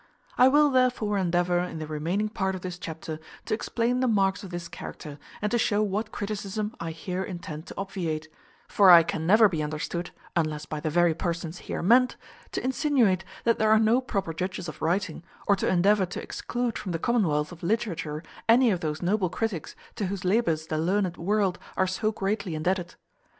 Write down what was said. I will therefore endeavour, in the remaining part of this chapter, to explain the marks of this character, and to show what criticism I here intend to obviate: for I can never be understood, unless by the very persons here meant, to insinuate that there are no proper judges of writing, or to endeavour to exclude from the commonwealth of literature any of those noble critics to whose labours the learned world are so greatly indebted.